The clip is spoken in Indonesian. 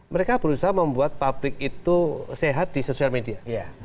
mereka berusaha membuat pabrik itu sehat di sosial media